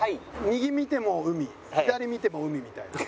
右見ても海左見ても海みたいな。